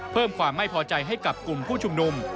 เพิ่มความไม่พอใจให้กับกลุ่มผู้ชุมนุม